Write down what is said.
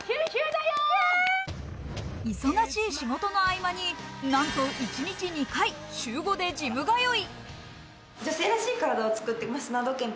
忙しい仕事の合間になんと一日２回、週５でジム通い。